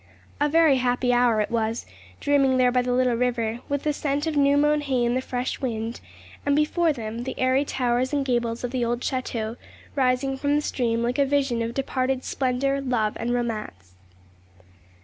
A very happy hour it was, dreaming there by the little river, with the scent of new mown hay in the fresh wind, and before them the airy towers and gables of the old château rising from the stream like a vision of departed splendour, love, and romance.